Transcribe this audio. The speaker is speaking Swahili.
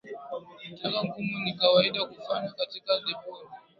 Taka ngumu ni kawaida kufanywa katika deponi